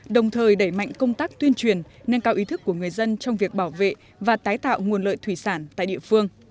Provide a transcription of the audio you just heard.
đồng thời đẩy mạnh công tác tuyên truyền nâng cao ý thức của người dân trong việc bảo vệ và tái tạo nguồn lợi thủy sản tại địa phương